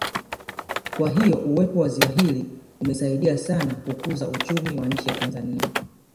Kwa hiyo uwepo wa ziwa hili umesadia sana kukuza uchumi wa nchi ya Tanzania